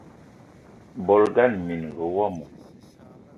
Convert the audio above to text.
Bolo ngana minenga womo